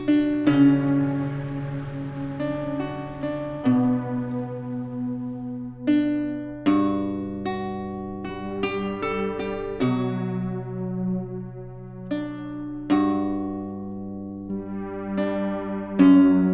apa kecewakan i distingu